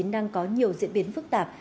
đang có nhiều diễn biến phức tạp